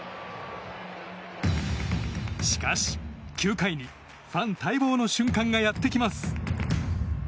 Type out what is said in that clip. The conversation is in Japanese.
しかし９回に、ファン待望の瞬間がやってきます。